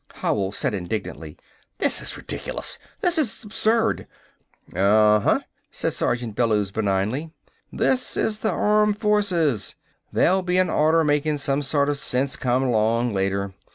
Howell said indignantly: "This is ridiculous! This is absurd!" "Uh uh," said Sergeant Bellews benignly. "This is the armed forces. There'll be an order makin' some sort of sense come along later.